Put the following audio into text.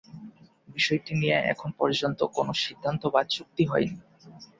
বিষয়টি নিয়ে এখন পর্যন্ত কোনো সিদ্ধান্ত বা চুক্তি হয়নি।